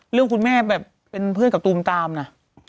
คุณแม่แบบเป็นเพื่อนกับตูมตามนะ